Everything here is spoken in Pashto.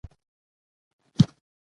افغانستان د تودوخه له امله شهرت لري.